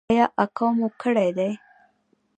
ایا اکو مو کړې ده؟